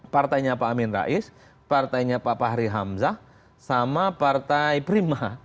partainya pak amin rais partainya pak fahri hamzah sama partai prima